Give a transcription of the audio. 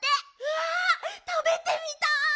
わたべてみたい！